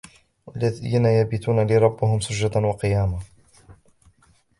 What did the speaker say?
وَالَّذِينَ يَبِيتُونَ لِرَبِّهِمْ سُجَّدًا وَقِيَامًا